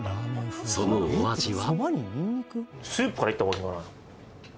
そのお味は？